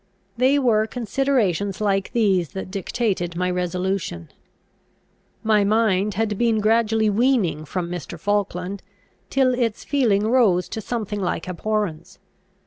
They were considerations like these that dictated my resolution. My mind had been gradually weaning from Mr. Falkland, till its feeling rose to something like abhorrence.